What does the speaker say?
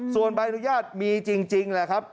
ส่วนใบอนุญาตมีจริงแหละครับ